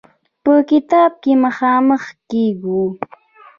په کتاب کې مخامخ کېږو.